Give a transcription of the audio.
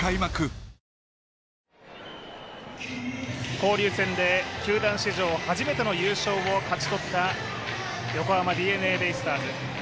交流戦で球団史上初めての優勝を勝ち取った横浜ＤｅＮＡベイスターズ。